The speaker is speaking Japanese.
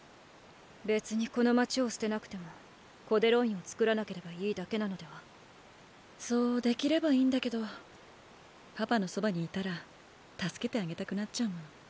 別にこの街を捨てなくてもコデロインを作らなければいいだけなのでは？そうできればいいんだけどパパのそばにいたら助けてあげたくなっちゃうもん。